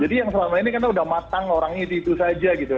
tapi yang selama ini kan udah matang orangnya di situ saja gitu